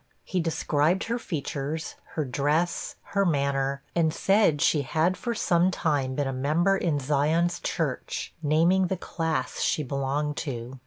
He described her features, her dress, her manner, and said she had for some time been a member in Zion's Church, naming the class she belonged to.